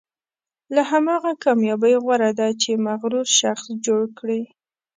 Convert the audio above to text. له هغه کامیابۍ غوره ده چې مغرور شخص جوړ کړي.